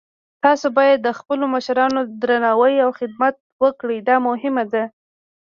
تاسو باید د خپلو مشرانو درناوی او خدمت وکړئ، دا مهم ده